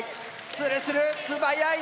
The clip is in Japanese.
スルスル素早い！